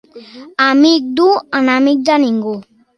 Amic d'u i enemic de ningú.